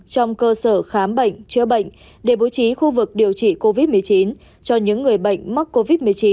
trong cơ sở khám bệnh chữa bệnh để bố trí khu vực điều trị covid một mươi chín cho những người bệnh mắc covid một mươi chín